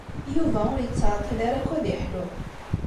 Yuba ur yettɛeṭṭil ara akk ad yeḥlu.